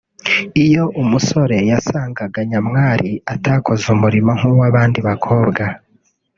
Iyo umusore yasangaga nyamwari atarakoze umurimo nk’uw’abandi bakobwa